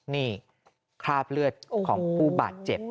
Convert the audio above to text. นี่คราบเลือดของผู้บาดเจ็บ